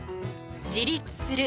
自立する。